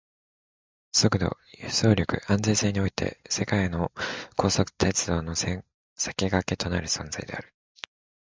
速度、輸送力、安全性において世界の高速鉄道の先駆けとなる存在である